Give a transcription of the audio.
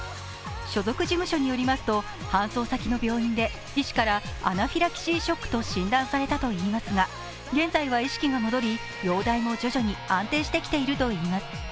所属事務所によりますと、搬送先の病院で医師からアナフィラキシーショックと診断されたといいますが、現在は意識が戻り、容体も徐々に安定してきているといいます。